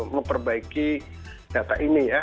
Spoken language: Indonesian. memperbaiki data ini ya